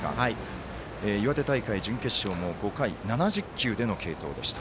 岩手大会、準決勝の５回７０球での継投でした。